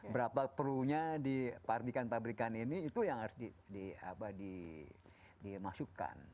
berapa perlunya di pabrikan pabrikan ini itu yang harus dimasukkan